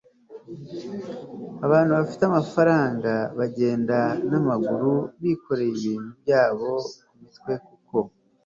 abantu badafite amafaranga bagenda n'amaguru bikoreye ibintu byabo ku mutwe kuko